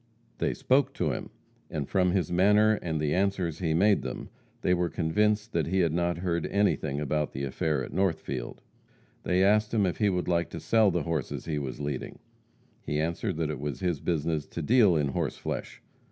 They spoke to him, and from his manner and the answers he made them, they were convinced that he had not heard anything about the affair at Northfield. They asked him if he would like to sell the horses he was leading. He answered that it was his business to deal in horse flesh.